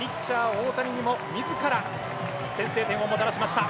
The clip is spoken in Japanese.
大谷にも自ら先制点をもたらしました。